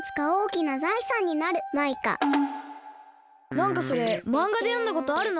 なんかそれマンガでよんだことあるな。